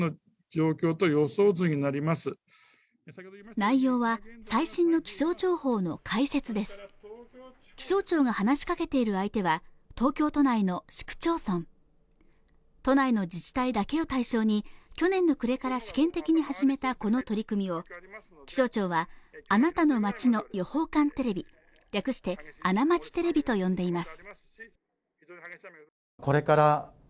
内容は最新の気象情報の解説です気象庁が話しかけている相手は東京都内の市区町村都内の自治体だけを対象に去年の暮れから試験的に始めたこの取り組みを気象庁は「あなたの町の予報官テレビ」略して「あな町テレビ」と呼んでいます